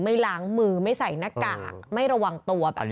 ไม่ล้างมือไม่ใส่หน้ากากไม่ระวังตัวแบบนี้